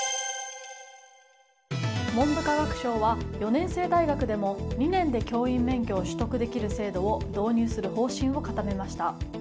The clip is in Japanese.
文部科学省は４年制大学でも２年で教員免許を取得できる制度を導入する方針を固めました。